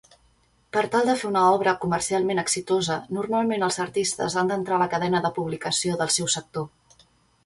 Per tal de fer una obra comercialment exitosa, normalment els artistes han d'entrar a la cadena de publicació del seu sector.